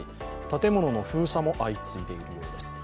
建物の封鎖も相次いでいるようです。